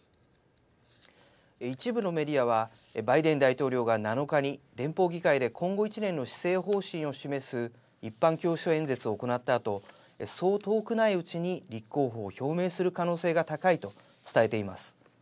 一部のメディアはバイデン大統領が７日に連邦議会で今後１年の施政方針を示す一般教書演説を行ったあとそう遠くないうちに立候補を表明する可能性が高いと伝えています。